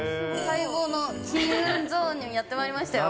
待望の金運ゾーンにやってまいりましたよ。